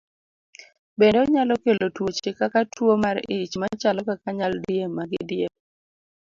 Bende onyalo kelo tuoche kaka tuwo mar ich machalo kaka nyaldiema gi diep.